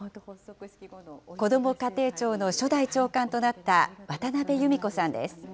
こども家庭庁の初代長官となった、渡辺由美子さんです。